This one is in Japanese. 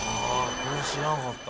これ知らなかった。